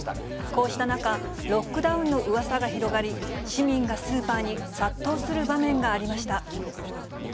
こうした中、ロックダウンのうわさが広がり、市民がスーパーに殺到する場面がありました。